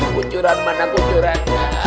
kucuran mana kucuran